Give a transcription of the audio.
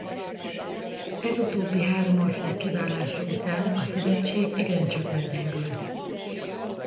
Ez utóbbi három ország kiválása után a szövetség igencsak meggyengült.